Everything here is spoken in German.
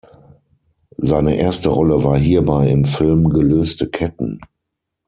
Seine erste Rolle war hierbei im Film "Gelöste Ketten".